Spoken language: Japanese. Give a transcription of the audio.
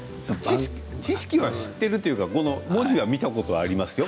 知識では知っているというか文字は見たことはありますよ。